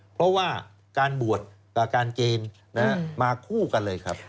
เพราะว่าการบวชกับการเกณฑ์มาคู่กันเลยครับ